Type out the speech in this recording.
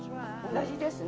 同じですね。